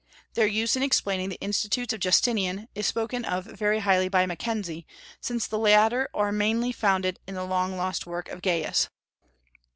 Their use in explaining the Institutes of Justinian is spoken of very highly by Mackenzie, since the latter are mainly founded on the long lost work of Gaius.